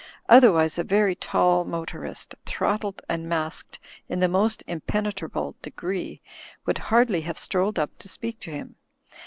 Otherwise a very tall motorist, throttled and masked in the most impenetra ble degree, would hardly have strolled up to speak to him.